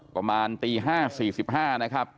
ประมาณตี๕๔๕นะครับ